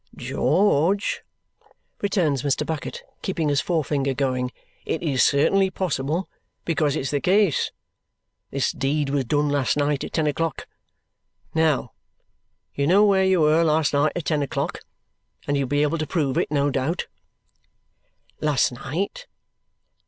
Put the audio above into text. "George," returns Mr. Bucket, keeping his forefinger going, "it is certainly possible, because it's the case. This deed was done last night at ten o'clock. Now, you know where you were last night at ten o'clock, and you'll be able to prove it, no doubt." "Last night!